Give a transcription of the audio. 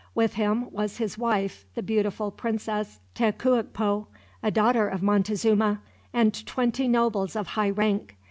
With him was his wife, the beautiful Princess Tecuichpo, a daughter of Montezuma; and twenty nobles of high rank.